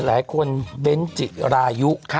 หลายคนเบ้นจิรายุ